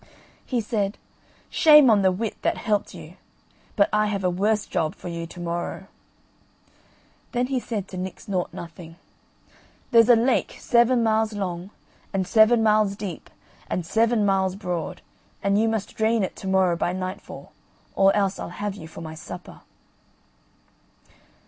He said: "Shame on the wit that helped you; but I have a worse job for you to morrow." Then he said to Nix Nought Nothing: "There's a lake seven miles long, and seven miles deep, and seven miles broad, and you must drain it to morrow by nightfall, or else I'll have you for my supper."